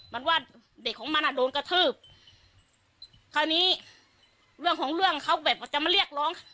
มันว่าเด็กของมันอ่ะโดนกระทืบคราวนี้เรื่องของเรื่องเขาแบบว่าจะมาเรียกร้อง